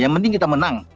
yang penting kita menang